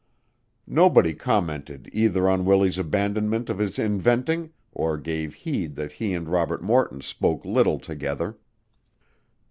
Nobody commented either on Willie's abandonment of his inventing, or gave heed that he and Robert Morton spoke little together.